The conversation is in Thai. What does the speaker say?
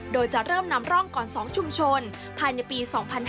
โดยจะเริ่มนำร่องก่อน๒ชุมชนภายในปี๒๕๕๙